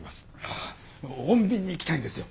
穏便に行きたいんですよ。